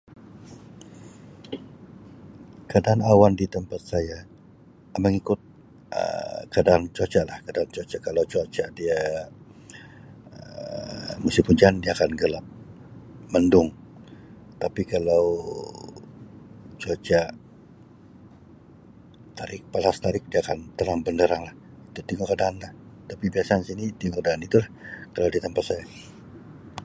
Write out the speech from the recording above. Keadaan awan di tempat saya mengikut Um keadaan cuaca lah keadaan cuaca kalau cuaca dia Um musim hujan dia akan gelap mendung tapi kalau cuaca tarik panas terik dia akan terang benderang lah kita tingu keadaan lah tapi biasanya sini tingu keadaan itu lah kalau di tempat saya.